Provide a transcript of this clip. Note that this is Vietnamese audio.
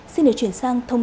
xin được chuyển sang